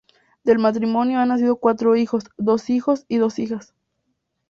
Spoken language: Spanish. Del matrimonio han nacido cuatro hijos, dos hijos y dos hijas.